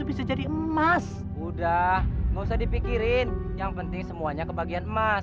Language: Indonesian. pusit kamu pindahkan pintas ke kamar